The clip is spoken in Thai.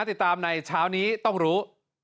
ติดตามในเช้านี้ต้องรู้